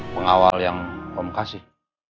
pengawal yang om kasih